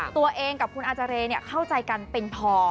ตัวเองกับคุณอาเจรเข้าใจกันเป็นพอ